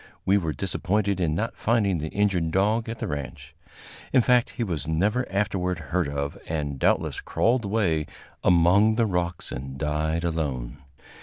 We were disappointed in not finding the injured dog at the ranch. In fact, he was never afterward heard of, and doubtless crawled away among the rocks and died alone.